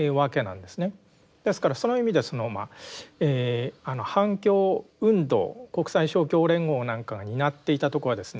ですからその意味では反共運動国際勝共連合なんかが担っていたとこはですね